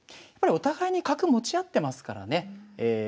やっぱりお互いに角持ち合ってますからね